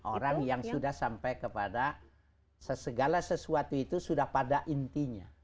orang yang sudah sampai kepada segala sesuatu itu sudah pada intinya